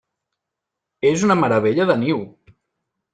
És una meravella de niu!